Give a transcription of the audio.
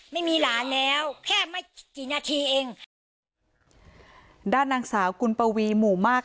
ไม่มีหลานแล้วแค่ไม่กี่นาทีเองด้านนางสาวกุลปวีหมู่มาก